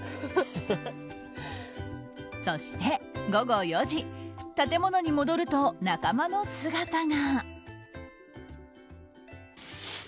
そして午後４時建物に戻ると仲間の姿が。